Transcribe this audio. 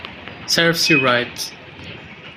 Serves you right